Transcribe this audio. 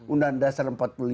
undang dasar empat puluh lima